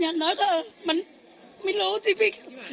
มันต้องเชื่อว่าไม่ได้